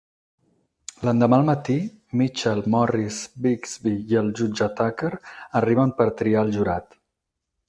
L'endemà al matí, Mitchell, Morris Bixby i el jutge Tucker arriben per triar el jurat.